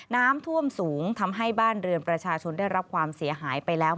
น้ำท่วมสูงทำให้บ้านเรือนประชาชนได้รับความเสียหายไปแล้ว